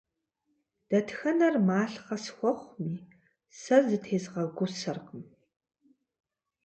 Дэтхэнэр малъхъэ схуэхъуми, сэ зытезгъэгусэркъым.